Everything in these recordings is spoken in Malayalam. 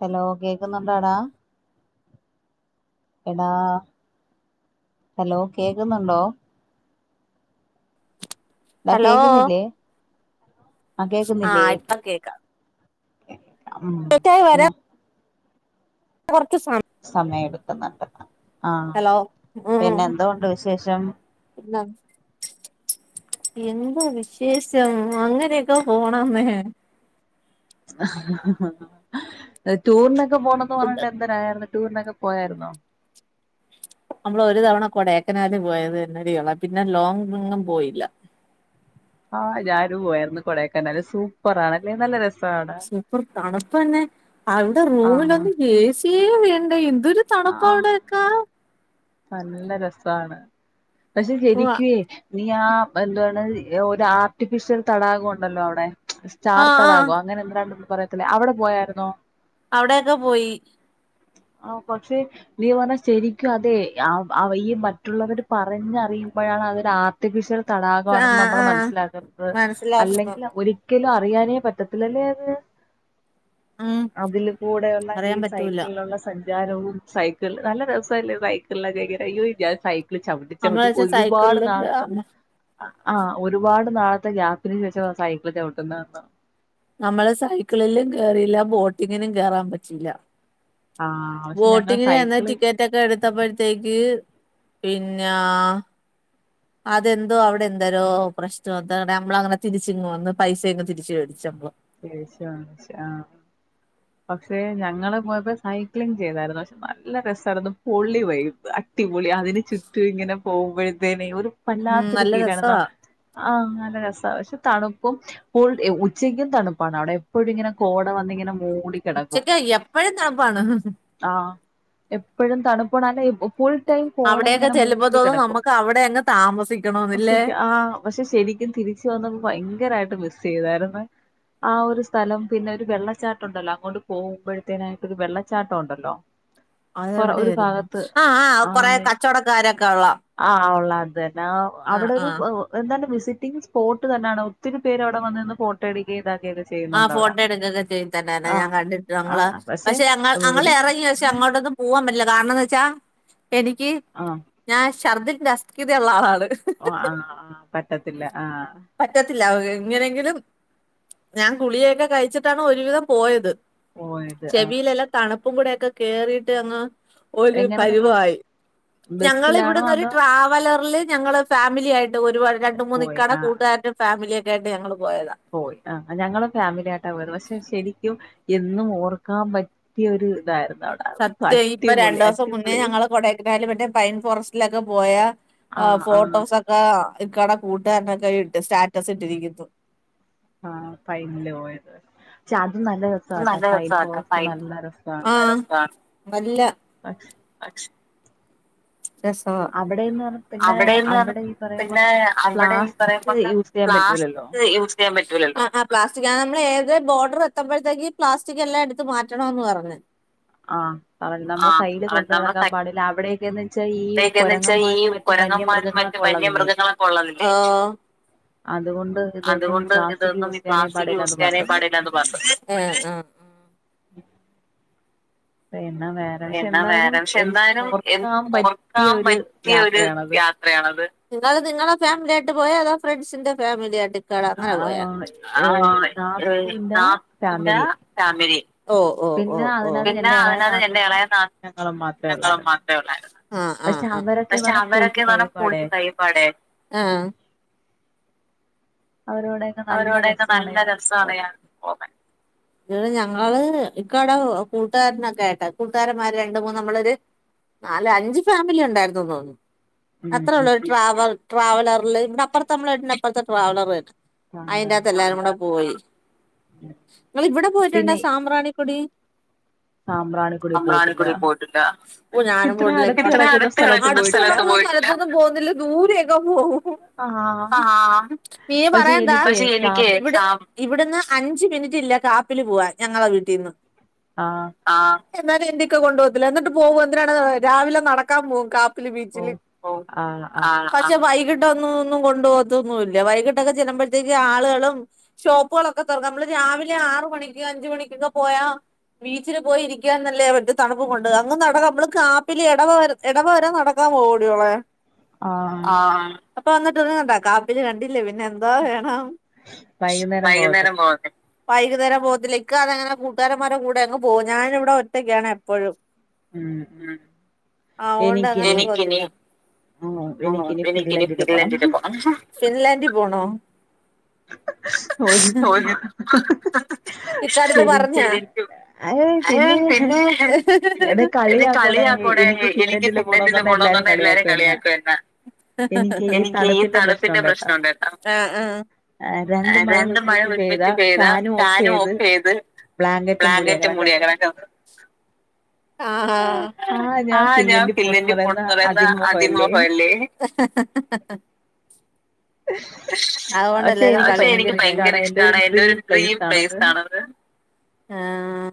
ഹലോ കേക്കുന്നുണ്ടോ അടാ എടാ ഹലോ കേക്കുന്നുണ്ടോ ടാ കേക്കുന്നില്ലേ ആഹ് ആയിപ്പ കേക്ക ഉം എന്നാ കൊർച് സം സമയംടുക്കുന്നുണ്ട് ആഹ് പിന്നെ എന്തുണ്ട് വിശേഷം [unintelligible] എന്തോ വിശേഷം അങ്ങനെയൊക്കെ പോണന്നേ ടൂറിനൊക്കെ പോണന്ന് പറഞ്ഞിട്ടെന് രുന്നു ടൂർനോക്കെ പോയാരുന്നോ നമ്മള ഒരു തവണ കൊടെ ക്കനാൽ പോയത് തന്നെയുള്ളൂ പിന്നെ ലോങ്ങ്ഒന്നും പോയില്ല ആഹ് ഞാനും പോയാരുന്നു കൊടേക്കനാൽ സൂപ്പർ ആണ് അല്ലേ നല്ല രസാണ് സൂപ്പർ തണുപ്പന്നെ അവിടെ റൂമിലൊന്ന് എ സിയ വേണ്ട എന്തരു തണുപ്പ അവിടെക്കാ നല്ല രസാണ് പക്ഷെ ശരിക്കുവേ നീ ആ എന്താണ് ഒരു ആർട്ടിഫിഷ്യൽ തടാകം ഉണ്ടല്ലോ അവിടെ സ്റ്റാർ തടാകം അങ്ങനെ എന്താണ് നമ്മൾ പറയത്തില്ലേ അവിടെ പോയാരുന്നോ അവിടെയൊക്കെ പോയി ആഹ് പക്ഷെ നീ പറഞ്ഞാൽ ശരിക്കും അതെ അവയെ മറ്റുള്ളവര് പറഞ്ഞറിയുമ്പോഴാണ് അത് രുആ ആർട്ടിഫിഷ്യൽ തടാകമാണെന്ന് നമ്മൾ മനസ്സിലാക്കുന്നത് അല്ലെങ്കിൽ ഒരു ഒരിക്കലും അറിയാനേ പറ്റത്തില്ലല്ലേ അത് അതില് കൂടെ ഉള്ള ഈ സൈക്കിളിനുള്ള സ വിചാരവും സൈക്കിൾ നല്ല രസല്ലേ സൈക്കിളിലൊക്കെ അയ്യോ വിചാ സൈ ചവിട്ട ചവിട്ടി ഒരുപാട് നാളത്ത ആഹ് ഒരുപാട് നാളത്തെ ഗ്യാപ്പിന് ശേഷം സൈക്കിളിൽ ചവിട്ടുന്ന നമ്മള് സൈക്കിളിലും കേറില്ല ബോട്ടിങ്ങിനും കേറാൻ പറ്റിയില്ല ആഹ് ബോട്ടിങ്ങിന് ചെന്ന ടിക്കറ്റക്കെ എടുത്തപ്പോഴത്തേക്ക് പിന്നാ അതെന്തോ അവിടെ എന്തോരോ പ്രശ്നം എന്ത നമ്മള അങ്ങനെ തിരിച്ചിങ്ങ് പൈസയങ്ങ് തിരിച്ച് മേടിച്ചു നമ്മള് [unintelligible] ആഹ് പക്ഷെ ഞങ്ങൾ പോയപ്പോ സൈക്ലിംങ് ചെയ്താരുന്നു പക്ഷെ നല്ല രസായിരുന്നു പൊളി വൈബ് അടിപൊളി പൊളി അതിന് ചുറ്റും ഇങ്ങനെ പോവുമ്പോഴത്തേനെ ഒരു വല്ലാത്തൊരു ഫീലാണ് ആഹ് നല്ല രസമാണ് പക്ഷെ തണുപ്പും ഉച്ചയ്ക്കും തണുപ്പാണ് അവിടെ എപ്പോഴും ഇങ്ങനെ കോട വന്നിങ്ങനെ മൂടി ഉച്ചക്ക എപ്പഴും തണുപ്പാണ് ആഹ് എപ്പോഴും തണുപ്പ നല്ല ഫുൾ ടൈം കോട ഇങ്ങനെ മൂടി കിടക്കും ആഹ് പക്ഷെ ശരിക്കും തിരിച്ച വന്നപ്പോ ഭയങ്കരായിട്ട് മിസയ്തായിരുന്നു ആ ഒരു സ്ഥലം പിന്നെ ഒരു വെള്ളച്ചാട്ടം ഉണ്ടല്ലോ അങ്ങോട്ട് പോകുമ്പോഴത്തേനായിട്ടൊ ഒരു വെള്ളച്ചാട്ടം ഉണ്ടല്ലോ അതെവിടൊയിരുന്നു ആഹ് ആഹ് കൊറെ കച്ചവടക്കാരൊക്കെ ഉള്ള ആഹ് ഉള്ള അത് തന്നെ ആ അവിടെ ഒരു അതെന്താണ് വിസിറ്റിംഗ് സ്പോട്ട് തന്നാണ് ഒത്തിരി പേര് അവിടെ വന്ന് നിന്ന് ഫോട്ടോ എടുക്കേം ഇതാക്കിയേം ക്കെ ചെയ് ആഹ് ഫോട്ടോ എടുക്കുകൊക്കെ ചെയ് തന്നെന്നെ ഞാൻ കണ്ടിട്ട് ഞങ്ങള് പക്ഷെ ഞങ്ങൾ അങ്ങൾ ഇറങ്ങി പക്ഷെ അങ്ങോട്ടൊന്നും പോവാൻ പറ്റില്ല കാരണംന്ന്വെച്ചാ എനിക്ക് ആഹ് ഞാൻ ശർദിൽന്റെ അസ്കിത ഉള്ള ആളാണ് ഓ ആഹ് ആഹ് പറ്റത്തില്ല ആഹ് പറ്റത്തില്ല എങ്ങനെങ്കിലും ഞാൻ ഗുളികയൊക്കെ കഴിച്ചിട്ടാണ് ഒരുവിധം പോയത് ചെവിയിലെല്ലാം തണുപ്പും കൂടെയെക്കെ കേറിയിട്ട് അങ്ങ് ഒരു പരുവായി ഞങ്ങള് ഇവട്ന്ന് ഒര് ട്രാവലർല് ഞങ്ങള് ഫാമിലിയായിട്ട് ഒരുപാട് രണ്ട് മൂന്ന് ഇക്കാടെ കൂട്ടുകാരൻ്റെ ഫാമിലിയൊക്കെ ആയിട്ട് ഞങ്ങള് പോയത പോയി ആഹ് ഞങ്ങളും ഫാമിലി ആയിട്ടാപോയത് പക്ഷെ ശരിക്കും എന്നും ഓർക്കാൻപറ്റിയ ഒരു ഇതായിരുന്നു അവടെ സത്യം ഇപ്പൊ രണ്ടോസം മുന്നേ ഞങ്ങള് കൊടേ പിന്നതില് മറ്റേ പൈൻ ഫോറസ്റ്റിലൊക്കെ പോയാ ഫോട്ടോസ് ഒക് ക്കാ ഇക്കാടെ കൂട്ടുകാരനൊക്കെ ഇട്ട് സ്റ്റാറ്റസ് ഇട്ടിരിക്കുന്നു ആഹ് പൈൻല് പോയത് പക്ഷെ അത് നല്ലരസ അത് നല്ല രസവാട്ടാ പൈൻ ആഹ് നല്ല പക്ഷ് പക്ഷ് രസവാ അവിടേന്ന് പറഞ്ഞ പിന്നെ അവിടെയീ പറയുമ്പോലെ പ്ലാസ്റ്റിക് യൂസ് ചെയ്യാൻ പറ്റൂലല്ലോ ആഹ് ആഹ് പ്ലാസ്റ്റിക് ആഹ് നമ്മള് ഏത് ബോർഡറ് എത്തുമ്പഴ ത്തേക്ക് പ്ലാസ്റ്റിക് എല്ലാം എടുത്ത് മാറ്റണെന്ന് പറഞ്ഞു ആഹ് അവടെ നമ്മള് കയ്യില് കൊണ്ട് നടക്കാൻ പാടില്ല അവിടേക്കേന്ന് ച്ചാ ഈ കൊരങ്ങന്മാരും മറ്റ് വന്യമൃഗങ്ങളൊക്കെ ഒള്ളതല്ലേ അത്കൊണ്ട് ഇതൊന്നും ഈ പ്ലാസ്റ്റിക് യൂസ് ചെയ്യാനേ പാടില്ലാന്ന് പറഞ്ഞിട്ടൊണ്ട് പിന്നെ വേ പിന്നെ വേറെ പക്ഷെ എന്തായാലും എന്നും ഓർക്കാൻ പറ്റിയ ഒര് യാ ത്രയാണത്. നിങ്ങള് നിങ്ങളെ ഫാമിലിയായിട്ട് പോയോ അതോ ഫ്രണ്ട്സിന്റെ ഫാമിലിയായിട്ട് ഇങ്ങള് അങ്ങനെ പോയാ ആഹ് പോയി നാത്തൂന്റെ ഫാമിലി ഓ ഓ ഓ ഓ പിന്നെ അതിനകത്ത് എന്റെ ഇളയ നാ ഞങ്ങളും മാത്രേ ഒള്ളാര്ന്ന് ആഹ് ആഹ് ആഹ് പക്ഷെ അവരൊക്കെന്ന് പറഞ്ഞാ [unintelligible] കീപാടെ ആഹ് അവരോടെ അവരോടെയെക്കെ നല്ല രസാണ് യാത്ര പോകാൻ ഇവിടെ ഞങ്ങള് ഇക്കാടെ കൂട്ടുകാരനൊക്കെയായിട്ടാ കൂട്ടുകാരന്മാര് രണ്ട്മൂന്ന് നമ്മളൊര് നാല് അഞ്ച് ഫാമിലി ഉണ്ടാര്ന്നൂന്ന് തോന്നു അത്രേഒള്ളു ഒരു ട്രാവൽ ട്രാവലർല് ഇവിടെ അപ്പുറത്തെ നമ്മളെ വീട്ടിനപ്പൊർത്തെ ട്രാവലർ തന്നെ അയ്ന്റാത്ത് എല്ലാരും കൂടെ പോയി ഇങ്ങള് ഇവടെ പോയിട്ടുണ്ടോ സാമ്പ്രാണിക്കൊടി സാമ്പ്രാണിക്കോടി പോയിട്ട്ണ്ടാ ഓ ഞാനും പോയിട്ടില്ല ഇത്ര അടു ത്ത് കെടക്കുന്ന സ്ഥലത്ത് പോയിട്ടില്ല പോകുന്നില്ല ദൂരേയൊക്കെ പോവും ആഹ് ആഹ് ആഹ് [unintelligible] പറയാന്താ പക്ഷെ എനിക്ക് ഇവിടുന്ന് അഞ്ച് മിനിറ്റില്ല കാപ്പില് പൂവാൻ ഞങ്ങളെ വീട്ടീന്ന് ആഹ് ആഹ് എന്നാലും എന്റെ ഇക്ക കൊണ്ടോവത്തില്ല എന്നിട്ട് പോവും എന്തിനാണ്ന്നൊ രാവിലെ നടക്കാൻപോവും കാ പിന്നെബീച്ചില് പോവും ആണോ പക്ഷെ വൈകിട്ടൊന്നും ഒന്നും കൊണ്ടു പോവത്തൊന്നും ഇല്ല വൈകിട്ടൊക്കെ ചെല്ലുമ്പത്തേക്ക് ആളുകളും ഷോപ്പുളൊക്കെ തൊർക്കും നമ്മള് രാവിലെ ആറ്മണിക്ക് അഞ്ചു മണിക്കക്കെ പോയാ ബീച്ചില് പോയിരിക്കാൻ എന്നല്ലേപറ്റു തണുപ്പ് കൊണ്ട് അങ്ങ് നട നമ്മള്ക്ക് കാപ്പില എടവവര എടവവരെ നടക്കാൻ പോവഡ്യോളെ ആ അപ്പൊ വന്നിട്ട്ന്നകണ്ടാ കാപ്പില് കണ്ടില്ലേ പിന്നെ എന്താ ഹവൈകുന്നേരം പോവാക്കെ വൈകുന്നേരം പോവത്തില്ല ഇക്ക അതങ്ങനെ കൂട്ടുകാരന്മാരടെ കൂടെ അങ്ങ്പോവും ഞാനിവടെഒറ്റക്കാണ് എപ്പോഴും മം ആഓണ്ടേ ആ എനിക്കിനി ആ എനിക്കിനി ഫിർലൻഡ് പോണം ഫിൻലാന്റിൽപോണോ ഇക്കാടെ എടുത്ത് പറഞ്ഞ അല്ലെ പിന്നെ എ ടി കളിയാകൂടെ എനിക്ക് ഫിൻ- ലാന്റില് പോണന്ന് പറഞ്ഞ എല്ലാവരും കളിയാക്കും എന്നെ എനിക്ക് ഈ തണുപ്പിന്റെ പ്രശ്നം ഉണ്ടായിരുന്നു ആഹ് അഹ് രണ്ട് മഴ ഒരുമിച്ച് പെയ്താ ഫാനും ഓഫ് ചെയ്ത് ബ്ലാങ്കറ്റ് മൂടിയ കടക്കണത് ആഹ് ഹാ ആഹ് ഞാൻ ഫിൻലന്റിൽ പൊണന്ന് പറയുന്നത് അതി മോഹം അല്ലേ ഹ ഹ ഹ ഹ [inaudible] [unintelligible] പക്ഷെ എനിക്ക് ഭയങ്കര ഇഷ്ടമാണ് എന്റെ ഒരു ഡ്രീം പ്ലേസ് ആണ് ആഹ്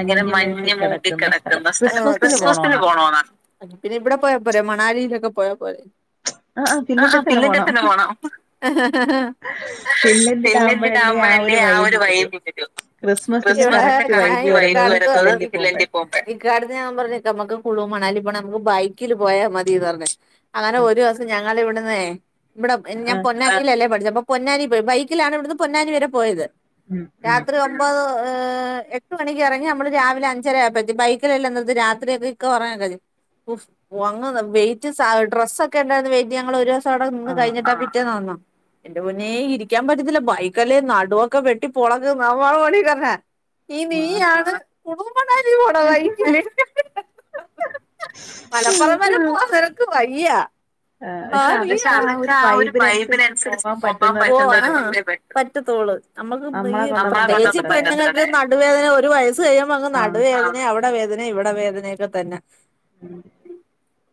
ഇങ്ങനെ മഞ്ഞ് മൂടി കിടക്കുന്ന സ്ഥലം ക്രിസ്മസിന് പോണെന്നാ പിന്നെ ഇവിടെ പോയാൽ പോരേ മണാലിയിലൊക്കെ പോയാൽ പോരേ ആഹ് ആഹ് ഫിൻലന്റിൽ തന്നെ പോണം ഫിൻലന്റിലാവുമ്പോഴല്ലേ ആ ഒരു വൈബ്കിട്ടു ക്രിസ്മസ് ന് കറക്റ്റ് വൈബ് വരുന്നത് ഫിൻലാന്റിൽ പോ- ഇക്കാടെ അടുത്ത് ഞാൻ പറഞ്ഞ് നമ്മക്ക് കുളി മണാലി പോണെ നമുക്ക് ബൈക്കിൽ പോയാൽ മതിന്ന് പറഞ്ഞെ അങ്ങനെ ഒരു ദിവസം ഞങ്ങൾ ഇവിടന്നെ ഇവിടെ ഞാൻ പൊൻ പൊന്നാനിയിലല്ലേ പഠിച്ചേ പൊന്നാനി പോയി ബൈക്കിലാണ് ഇവിടുന്ന് പൊന്നാനി വരെ പോയത് രാത്രി ഒ മ്പത് എ എട്ടു മണിക്ക് ഇറങ്ങി നമ്മൾ രാവിലെഞ്ചരയാ എത്തി ബൈക്കല്ല എന്നത് രാത്രിയക്കെ ഇക്ക [inaudible] ഓഫ് വന്നതാ വെയിറ്റ് ഡ്രസ്സ് ഒക്കെ ഉണ്ടായിരുന്നു വൈകി ഞങ്ങൾ ഒരു ദിവസം അവിടെ നിന്ന് കഴിഞ്ഞിട്ടാ പിറ്റേന്ന് വന്നത് എന്റെ പൊന്നേ ഇരിക്കാൻ പറ്റത്തില്ല ബൈക്കല്ലേ നടുവൊക്കെ വെട്ടി പോളഞ്ഞ [unintelligible] ഈ നീയാണ് കുണു മണാലിപോണെ ബൈക്കില് മലപ്പുറം വരെ പോവാൻ നിനക്ക് വയ്യ ആ നീ പക്ഷെ അതൊക്കെ ആ ഒരു വൈബിനനുസരിച്ച് പോവാൻ പറ്റ പറ്റത്തൊളളൂ നമുക്ക് ഈ പ്രത്യേകിച്ച് പെണ്ണുങ്ങൾക്ക് നടുവേദന ഒരു വയസ്സ് കഴിയുമ്പോ അങ്ങ് നടുവേദന പിന്നെ അവിടെ വേദന ഇവിടെ വേദനയൊക്കെ തന്നെ ഉം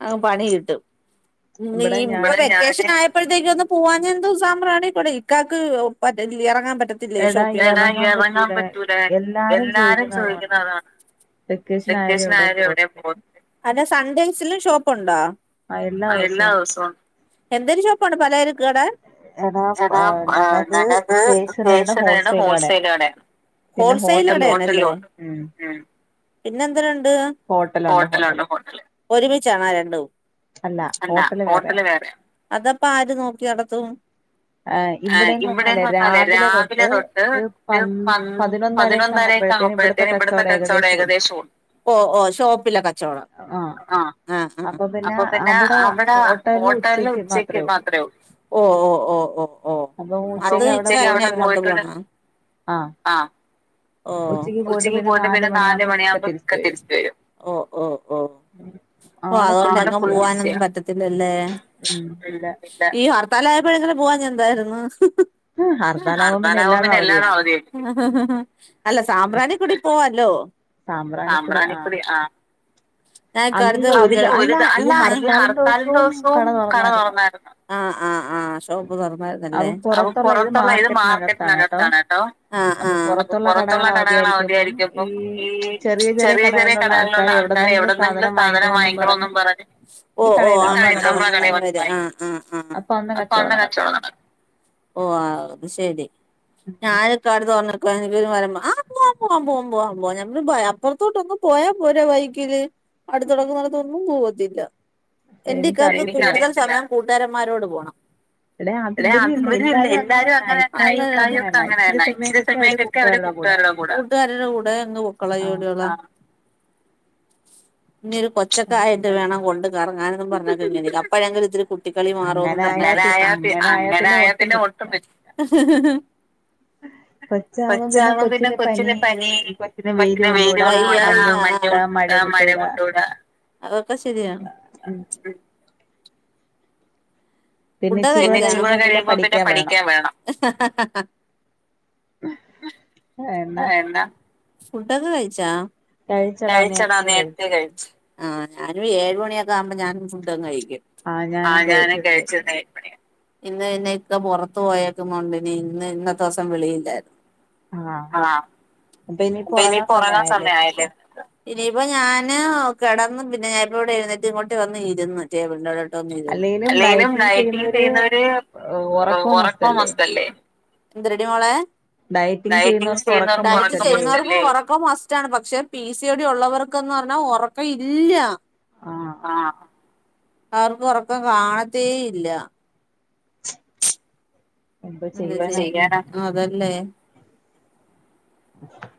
ആഹ് പണി കിട്ടും ഇനീ വെക്കേഷൻ ആയ ഇപ്പോഴത്തേക്ക് ഒന്ന് പോവാൻ എന്തോ സാമ്രണിക്കൊടി ഇക്കാക്ക് ഇറങ്ങാൻ പറ്റത്തില്ല ഇല്ലേ ഷോപ്പലിൽ ഇറങ്ങാൻ പറ്റൂലേ എല്ലാവരും ചോദിക്കുന്ന അതാണ് വെക്കേഷൻ ആയാൽ എവിടെ പോണ്ടേ അല്ല സൺഡേയ്സിലും ഷോപ്പുണ്ടോ ആഹ എല്ലാദിവസവും എല്ലാ ദിവസം എന്തൊരു ഷോപ്പാണ് പലചരക്ക് കട കട ആഹ കട അത് സ്റ്റേഷനറിടെ ഹോൾസെൽയിലാണ്. ഹോൾസെൽ ഉണ്ട് [inaudible] കട പിന്നെ എന്തലുണ്ട് ഹോട്ടൽ ഉണ്ട് ഹോട്ടൽ ഒരുമിച്ചണോ രണ്ടും അല്ല ഹോട്ടൽ വേറെയാ അതപ്പ ആര് നോക്കി നടത്തും ആഹ ഇവിടെന്ന് പറഞ്ഞാലേ രാവിലെ തൊട്ട് ഒരു പ പതിനൊന്നരാ ഒക്കെ ആകുമ്പോഴേ ഇവിടുത്തെ കച്ചവടം ഏകദേശം ഉണ്ട് ഓ ഓ ഷോപ്പിലെ കച്ചവടം ആഹ ആഹ ആഹ അപ്പൊ പിന്നെ അവിടെ ഹോട്ടലിൽ ഉച്ചയ്ക്ക് മാത്രമേ ഉള്ളൂ ഓ ഓ ഓ ഓ ഓ അത് [inaudible] ഹോട്ടലെന്ന് ആഹ ആഹ ഓ ഉച്ചയ്ക്ക് പോയിട്ട് പിന്നെ നാലുമണിയാകുമ്പോ ഒക്കെ തിരിച്ച് വരും ഓ ഓ ഓ [unintelligible] ഓ അതുകൊണ്ട് അങ്ങ് പോവാനും പറ്റത്തില്ലല്ലേ ഈ ഹർത്താലായപ്പോഴെങ്ങനെ പോവാൻ എന്തായിരുന്നു ഹർത്താലാവ്മ്പോ പിന്നെ എല്ലാടും ആവതി അല്ല സാമ്പ്രാണികോടി പോവാല്ലോ സാമ്പ്രാണി കോടി ആഹ കടു അല്ല ഹർക്കാലിന്റെ ദിവസവും കട തുറന്നായിരുന്നു ആഹ ആഹ ആഹ ഷോപ്പ് തുറന്നായിരുന്നു അല്ലേ അ പുറത്തുള്ള ഇത് മാർക്കറ്റിനകത്താണ് കേട്ടോ പുറത്തുള്ള കടകൾ അവധി ആയിരിക്കുമ്പം ഈ ചെറിയ ചെറിയ കടകളുള്ള ആൾക്കർ ഇവിടെ [inaudible] സും പറ ഓഓ [inaudible] [inaudible] ഓ അത് ശെരി ഞാനൊക്ക കട തുറന് [inaudible] മാര ആഹ പോവാ പോവാ പോവാ പോവാ പോവാ നഞമ്മള് അപ്പുറത്തോട്ട്ഒന്ന് പോയാ പോരാ ബൈക്കില് അടുത്ത തുടക്കുന്നത്ത ഒന്നും പോവത്തില്ല എന്റെക്കർക്ക് കൂടുതൽ സമം കൂട്ടുകാരന്മാരോട് പോണം അല്ലെ അതി എല്ലാരും അങ്ങനെ എല്ലാരും ഒക്കെ അങ്ങനെ ഇച്ചി സമയൊക്കെ ടെ കൂടെ കൂട്ടുകാരുടെ കൂടെ ഒന്ന്ക്കളോടെ ആഹഇനി ഒരു പത് പക്ഷക്കെ എ് വേണം കൊണ്ട് കാരണം ഞാനന്നും പറഞ്ഞ ഇങ്ങനെ അപ്പോഴെങ്കില ഇത്തിരി കുട്ടികളി മാറോന്ന പറഞ്ഞ അങ്ങനെ ആയാ പിന്നെ ഒട്ടും [inaudible] കൊച്ചാവം പിന്നെ കൊച്ചിന് പനി കൊചിന് വയ്യ ആഹ [inaudible] അതൊക്കെ ശരിയാണ് [unintelligible] ഫു കഴിയുമ്പോ പിന്നെ പഠിക്കാൻ വേണം ഹ ഹ ഹ ഹ ഹ അ എന്ന ഫുഡൊക്കെ കഴിച്ചാ കഴിച്ചടാ നേരത്തെ കഴിച് ആഹ ഞാനും ഏഴ് മണിയൊക്കെ ആവുമ്പോ ഞാനും ഫുഡ് അങ്ങ് കഴിക്കും ഇന്ന് പിന്നെ ഇക്ക പുറത്ത് പോയേക്കുന്ന കൊണ്ട് ഇനി ഇന്ന് ഇന്നത്തെ ദിവസം വിളിയില്ലായിരുന്നു ആഹ് അപ്പൊ ഇനിപ്പൊ ഉറങ്ങാൻ സമയായില്ലേ ഇന്നെട്ട് ഇനിയിപ്പോ ഞാന് കെടന്ന് പിന്നേ ഏട്ടനോട് കൂടെ എഴുന്നേറ്റ് ഇങ്ങോട്ട് വന്ന് ഇരുന്ന്. ടേബിളിന്റെ അവടെട്ടോന്ന് എഴുതണം അല്ലേലും നൈറ്റ് [unintelligible] ഉറക്കം മാസ്റ്റലേ എന്തരെടി മോളെ [unintelligible] സ്റ്റാണ് പക്ഷെ പി സി ഒ ടി ഉള്ളവർക്കെന്ന് പറഞ്ഞാ ഉറക്കം ഇല്ലാ അവർക്ക് ഒറക്കം കാണത്തേ ഇല്ല പ്പെന്ത് ചെയ്യാനാ അതല്ലേ [inaudible]